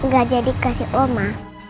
gak jadi kasih oma